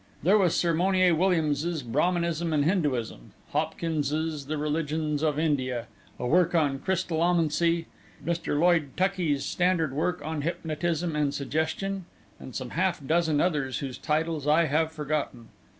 There was Sir Monier Williams's "Brahmanism and Hinduism," Hopkins's "The Religions of India," a work on crystallomancy, Mr. Lloyd Tuckey's standard work on "Hypnotism and Suggestion," and some half dozen others whose titles I have forgotten.